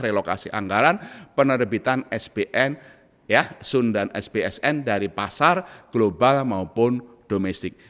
relokasi anggaran penerbitan sbn sundan spsn dari pasar global maupun global